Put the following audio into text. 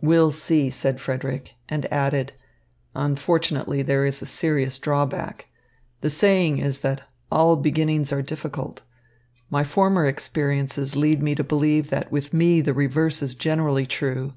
"We'll see," said Frederick, and added, "Unfortunately there is a serious drawback. The saying is that all beginnings are difficult. My former experiences lead me to believe that with me the reverse is generally true.